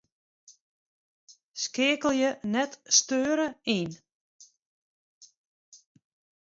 Skeakelje 'net steure' yn.